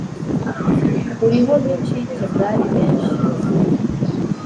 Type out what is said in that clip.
Uriho nk’incike mwari benshi !